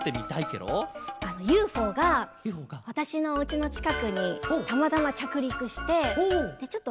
あのユーフォーがわたしのおうちのちかくにたまたまちゃくりくしてでちょっとね